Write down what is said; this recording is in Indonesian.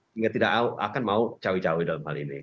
yang tidak akan mau cawi cawi dalam hal ini